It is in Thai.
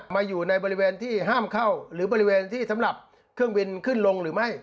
อยู่ในบริเวณที่ห้ามเข้าหรือบริเวณที่สำหรับเครื่องบินขึ้นลงหรือไม่